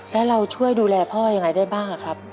แล้วเราช่วยดูแลพ่อยังไงได้บ้างครับ